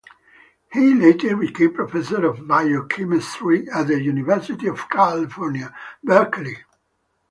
He later became Professor of Biochemistry at the University of California, Berkeley.